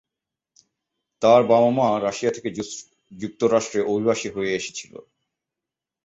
তার বাবা-মা রাশিয়া থেকে যুক্তরাষ্ট্রে অভিবাসী হয়ে এসচিল।